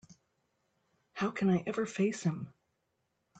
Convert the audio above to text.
How can I ever face him?